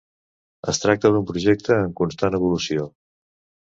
Es tracta d'un projecte en constant evolució.